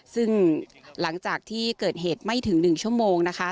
ซึ่งหลังจากที่เกิดเหตุไม่ถึง๑ชั่วโมงนะคะ